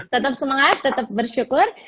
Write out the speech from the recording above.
tetap semangat tetap bersyukur